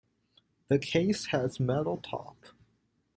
The case has metal top.